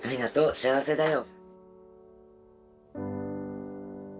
幸せだよ。